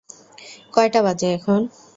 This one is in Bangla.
কয়টা বাজে এখন?